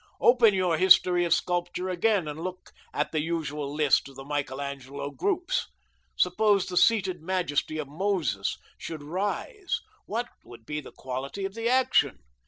Open your history of sculpture again and look at the usual list of Michelangelo groups. Suppose the seated majesty of Moses should rise, what would be the quality of the action?